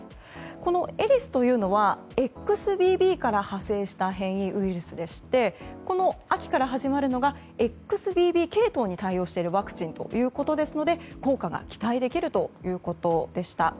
このエリスというのはＸＢＢから派生した変異ウイルスでしてこの秋から始まるのがＸＢＢ系統に対応しているワクチンということですので効果が期待できるということでした。